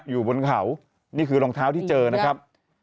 อยู่บนเขานี่คือรองเท้าที่เจอนะครับ